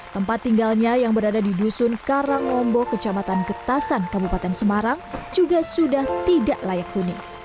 tempat tinggalnya yang berada di dusun karangombo kecamatan getasan kabupaten semarang juga sudah tidak layak huni